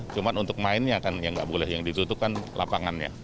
cuma untuk mainnya kan yang nggak boleh yang ditutup kan lapangannya